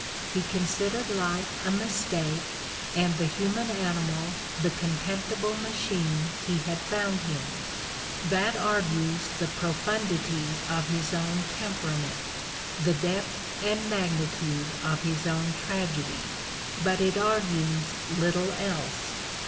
He considered life a mistake and the human animal the contemptible machine he had found him: that argues the profundity of his own temperament, the depth and magnitude of his own tragedy, but it argues little else.